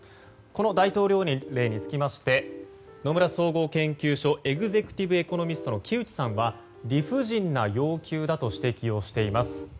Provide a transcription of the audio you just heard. この大統領令につきまして野村総合研究所エグゼクティブ・エコノミストの木内さんは理不尽な要求だと指摘をしています。